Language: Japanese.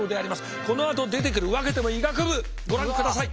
このあと出てくるわけても医学部ご覧ください。